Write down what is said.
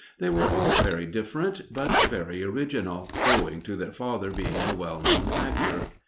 They were all very different but very original, owing to their father being a well known actor.